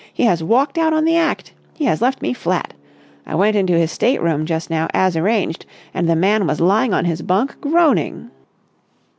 He has walked out on the act! He has left me flat! I went into his state room just now, as arranged, and the man was lying on his bunk, groaning."